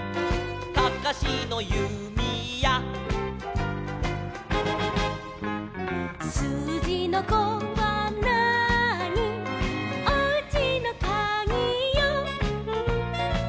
「かかしのゆみや」「すうじの５はなーに」「おうちのかぎよ」